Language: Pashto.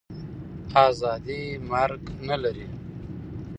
آزادي مرګ نه لري.